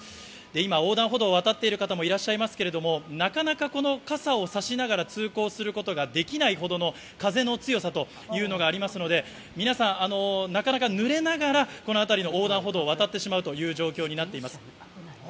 今、横断歩道を渡っている方もいらっしゃいますけれども、なかなかこの傘を差しながら通行することができないほどの風の強さというのがありますので、皆さん、濡れながら、この辺りの横断歩道を渡ってしまう状況です。